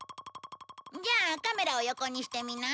じゃあカメラを横にしてみな。